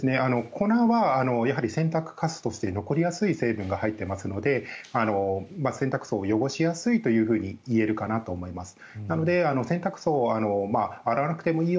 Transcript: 粉は洗濯かすとして残りやすい成分が入っていますので洗濯槽を汚しやすいと言えるかなと思います。